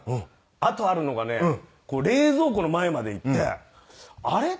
あとあるのがね冷蔵庫の前まで行ってあれ？